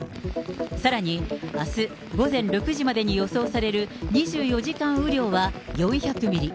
さらにあす午前６時までに予想される２４時間雨量は４００ミリ。